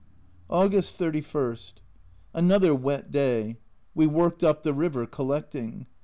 August 31. Another wet day. We worked up the river collecting.